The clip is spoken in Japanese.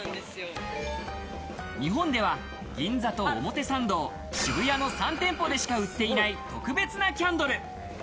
日本では銀座と表参道、渋谷の３店舗でしか売っていない、特別なキャンドル。